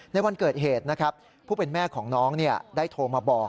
ในวันเกิดเหตุนะครับผู้เป็นแม่ของน้องได้โทรมาบอก